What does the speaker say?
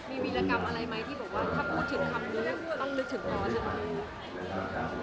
มีวิรากรรมอะไรไหมที่บอกว่าถ้าพูดถึงคำนี้ต้องลึกถึงพ่อจะมาดู